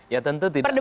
ya tentu tidak sih